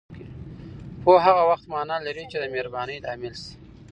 پوهه هغه وخت معنا لري چې دمهربانۍ لامل شي